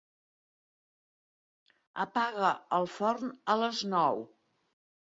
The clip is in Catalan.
Apaga el forn a les nou.